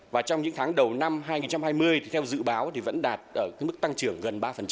và trong những tháng đầu năm hai nghìn hai mươi theo dự báo thì vẫn đạt ở mức tăng trưởng gần ba